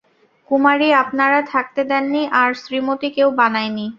কুমারী আপনারা থাকতে দেননি আর শ্রীমতি কেউ বানায়নি।